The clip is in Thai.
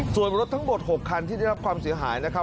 ส่วนรถทั้งหมด๖คันที่ได้รับความเสียหายนะครับ